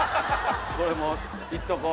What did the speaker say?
これもういっとこう。